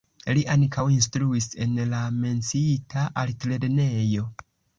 Li ankaŭ instruis en la menciita altlernejo.